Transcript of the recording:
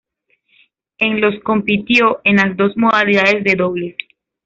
En los compitió en las dos modalidades de dobles.